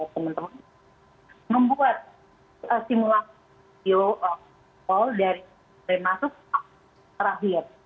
teman teman membuat simulasi protokol dari masuk ke terakhir